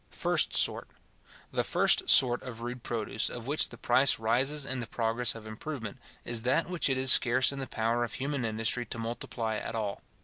First Sort.—The first sort of rude produce, of which the price rises in the progress of improvement, is that which it is scarce in the power of human industry to multiply at all.